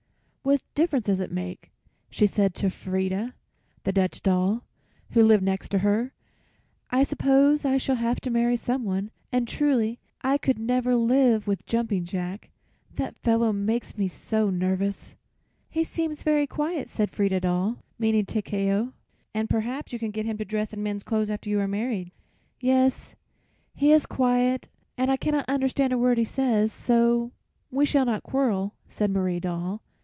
"What difference does it make?" she said to Frieda, the Dutch doll, who lived next to her. "I suppose I shall have to marry someone, and truly I could never live with Jumping Jack; that fellow makes me so nervous." "He seems very quiet," said Frieda Doll, meaning Takeo, "and perhaps you can get him to dress in men's clothes after you are married." "Yes, he is quiet and I cannot understand a word he says, so we shall not quarrel," said Marie Doll.